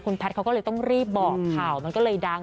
คุณแพทย์ก็เลยต้อง